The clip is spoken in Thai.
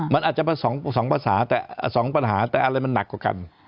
มันอาจจะเป็นสองปัญหาแต่อะไรมันหนักกว่ากัน